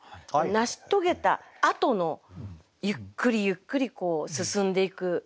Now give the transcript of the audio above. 成し遂げたあとのゆっくりゆっくりこう進んでいく。